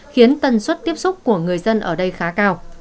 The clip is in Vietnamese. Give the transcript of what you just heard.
khiến tần suất tiếp xúc của người dân ở đây khá cao